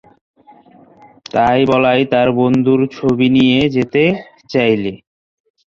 তাই বলাই তার বন্ধুর ছবি নিয়ে যেতে চাইলে।